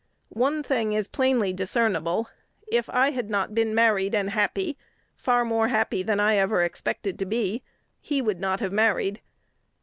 One thing is plainly discernible: if I had not been married and happy, far more happy than I ever expected to be, he would not have married.